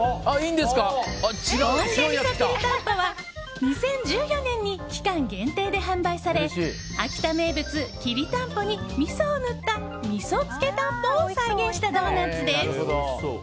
ポン・デ・味噌きりたんぽは２０１４年に期間限定で販売され秋田名物きりたんぽに味噌を塗った味噌つけたんぽを再現したドーナツです。